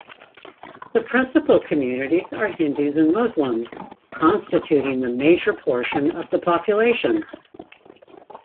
The principal communities are Hindus and Muslims, constituting the major portion of the population.